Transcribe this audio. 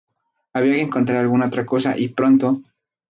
Había que encontrar alguna otra cosa, y pronto.